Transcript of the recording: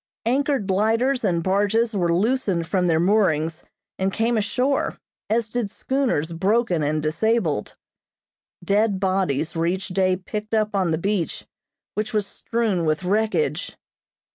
Anchored lighters and barges were loosened from their moorings and came ashore, as did schooners broken and disabled. Dead bodies were each day picked up on the beach, which was strewn with wreckage.